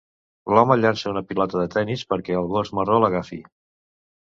L'home llança una pilota de tennis perquè el gos marró l'agafi.